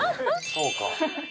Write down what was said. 「そうか」